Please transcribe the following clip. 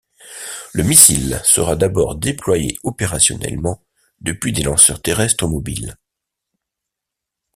Le missile sera d'abord déployé opérationnellement depuis des lanceurs terrestres mobiles.